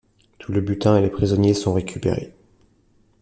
Tout le butin et les prisonniers sont récupérés.